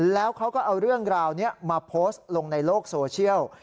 แล้วเขาก็เอาเรื่องราวนี้มาโพสต์ลงในโลกโซเชียล